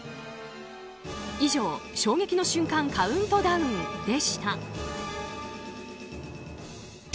以上、衝撃の瞬間カウントダウンでした。